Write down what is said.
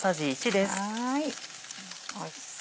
おいしそう。